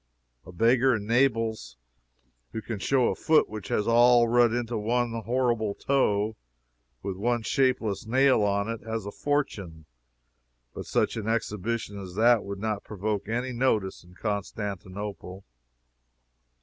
A beggar in Naples who can show a foot which has all run into one horrible toe, with one shapeless nail on it, has a fortune but such an exhibition as that would not provoke any notice in Constantinople.